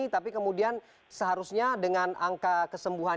tapi kemudian seharusnya dengan angka kesembuhan